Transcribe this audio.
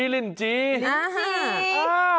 ลินจีอ่า